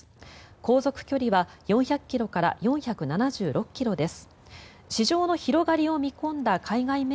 航続距離は４００ｋｍから４７６ｋｍです。